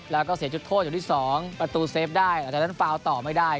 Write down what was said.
แล้วก็เสียจุดโทษอยู่ที่๒ประตูเซฟได้หลังจากนั้นฟาวต่อไม่ได้